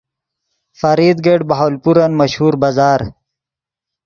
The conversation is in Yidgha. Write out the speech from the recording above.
فرید گیٹ بہاولپورن مشہور بازار